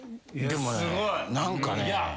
でも何かね。